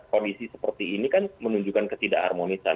kondisi seperti ini kan menunjukkan ketidak harmonisan